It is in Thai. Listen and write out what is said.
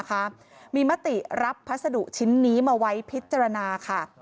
ใช่พี่เบิร์นก็เลยสงสัยว่าใช่ไหม